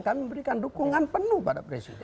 kami memberikan dukungan penuh pada presiden